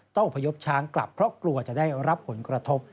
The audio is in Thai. อพยพช้างกลับเพราะกลัวจะได้รับผลกระทบ